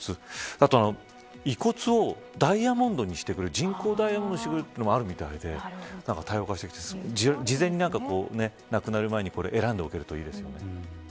あとは遺骨をダイヤモンドにしてくれるというのもあるみたいで多様化してきて事前に亡くなる前に選んでおけるといいですよね。